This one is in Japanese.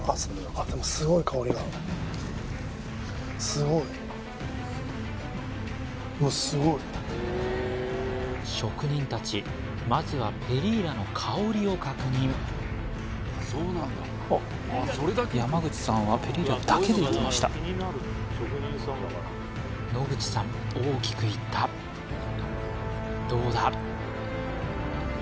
あっでもすごい職人たちまずはペリーラの香りを確認山口さんはペリーラだけでいきました野口さん大きくいったどうだ？